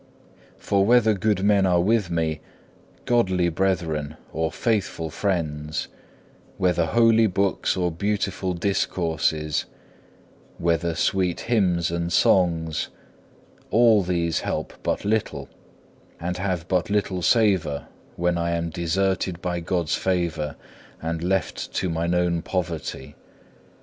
For whether good men are with me, godly brethren or faithful friends, whether holy books or beautiful discourses, whether sweet hymns and songs, all these help but little, and have but little savour when I am deserted by God's favour and left to mine own poverty.